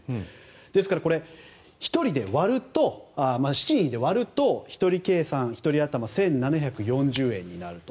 ですから、７人で割ると１人頭１７４０円になると。